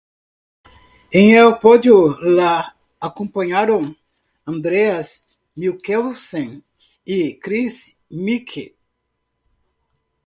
En el podio lo acompañaron Andreas Mikkelsen y Kris Meeke.